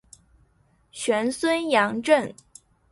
玄孙杨震。